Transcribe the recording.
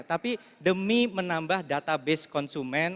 tapi demi menambah database konsumen